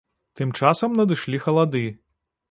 Тым часам надышлі халады.